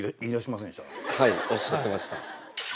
はいおっしゃってました。